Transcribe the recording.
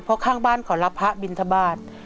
เพราะข้างบ้านขอรับพระบินทบาท